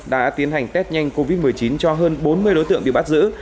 đã tiến hành test nhanh covid một mươi chín cho hơn bốn mươi đối tượng bị bắt giữ